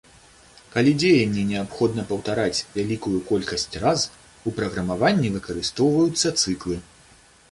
Калі дзеянне неабходна паўтараць вялікую колькасць раз, у праграмаванні выкарыстоўваюцца цыклы.